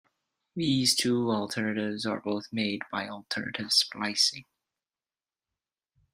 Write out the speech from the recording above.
These two alternatives are both made by alternative splicing.